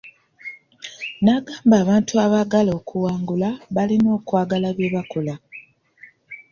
N'agamba abantu abaagala okuwangula balina okwagala bye bakola.